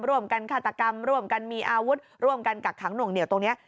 ร่วมกันฆาตกรรมร่วมกันมีอาวุธร่วมกันกักขังหน่วงเหนียวตรงนี้